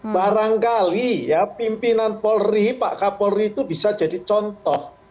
barangkali ya pimpinan polri pak kapolri itu bisa jadi contoh